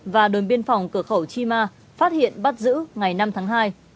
và đồn biên phòng cửa khẩu chima phát hiện bắt giữ ngày năm tháng hai